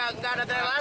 seperti semula ya